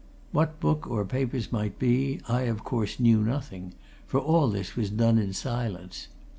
What book or papers might be, I of course, knew nothing, for all this was done in silence.